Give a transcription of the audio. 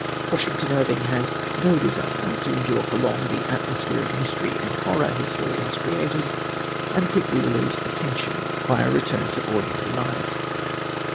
Washington Irving has no desire to endure for long the atmosphere of mystery and horror his story has created, and quickly relieves the tension by a return to ordinary life.